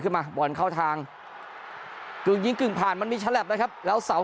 มาบอลเข้าทางกึ่งยิงกึ่งผ่านมันมีฉลับนะครับแล้วเสา